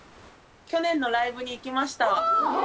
去年のライブに行きましたお！